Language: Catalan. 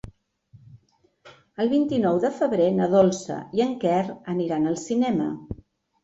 El vint-i-nou de febrer na Dolça i en Quer aniran al cinema.